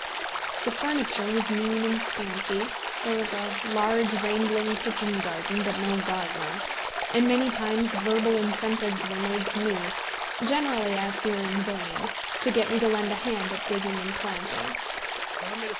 The furniture was mean and scanty. There was a large rambling kitchen garden, but no gardener; and many times verbal incentives were made to me, generally, I fear, in vain, to get me to lend a hand at digging and planting.